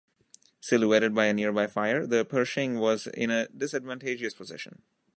Silhouetted by a nearby fire, the Pershing was in a disadvantageous position.